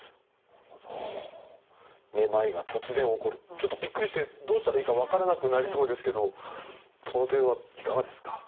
ちょっとびっくりしてどうしたらいいか分からなくなりそうですけどその点はいかがですか？